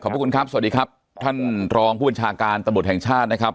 ขอบคุณครับท่านรองผู้บัญชาการตรรบษแห่งชาตินะครับ